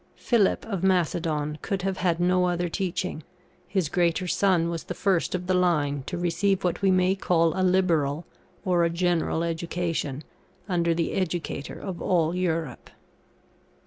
Philip of Macedon could have had no other teaching; his greater son was the first of the line to receive what we may call a liberal, or a general education, under the educator of all Europe.